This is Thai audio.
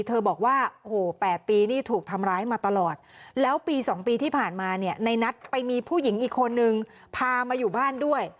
บอกว่าโอ้โห๘ปีนี่ถูกทำร้ายมาตลอดแล้วปี๒ปีที่ผ่านมาเนี่ยในนัทไปมีผู้หญิงอีกคนนึงพามาอยู่บ้านด้วย